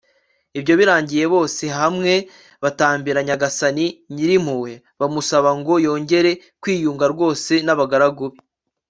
ibyo birangiye bose hamwe batakambira nyagasani nyir'impuhwe bamusaba ngo yongere kwiyunga rwose n'abagaragu be